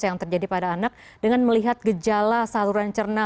yang terjadi pada anak dengan melihat gejala saluran cerna